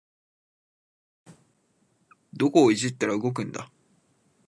どこをいじったら動くんだ